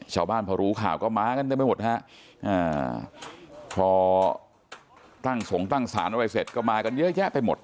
ชาวบ้านพอรู้ข่าวก็มากันเต็มไปหมดฮะพอตั้งสงตั้งสารอะไรเสร็จก็มากันเยอะแยะไปหมด